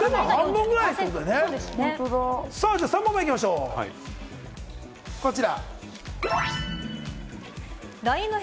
では３問目行きましょう、こちら。